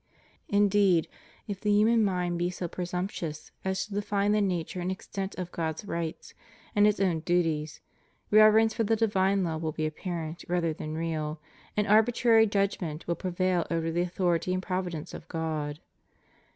Indeed, if the himaan mind be so presumptuous as to define the nature and extent of God's rights and its own duties, reverence for the divine law will be apparent rather than real, and arbitrary judgment will prevail over the authority and providence of God.